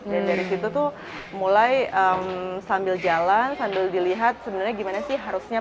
dan dari situ tuh mulai sambil jalan sambil dilihat sebenarnya gimana sih harusnya produksi